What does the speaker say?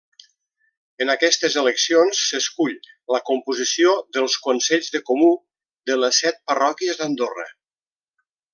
En aquestes eleccions s'escull la composició dels Consells de Comú de les set parròquies d'Andorra.